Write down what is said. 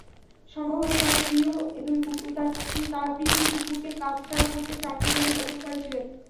সম্ভবত তাঁরা প্রিয় দুই কুকুরকে কাছছাড়া করতে চাননি বলেই গোপন করেছিলেন।